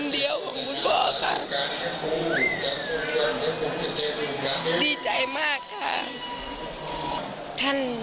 ดีใจมากค่ะ